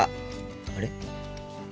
あれ？